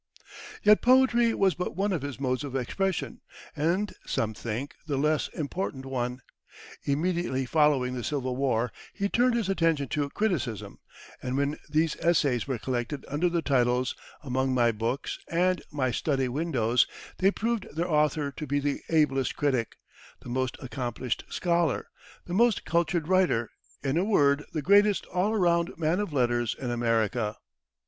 Yet poetry was but one of his modes of expression, and, some think, the less important one. Immediately following the Civil War, he turned his attention to criticism, and when these essays were collected under the titles "Among My Books" and "My Study Windows," they proved their author to be the ablest critic, the most accomplished scholar, the most cultured writer in a word, the greatest all around man of letters, in America.